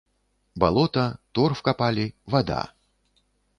Балота, торф капалі, вада.